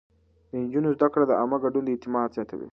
د نجونو زده کړه د عامه ګډون اعتماد زياتوي.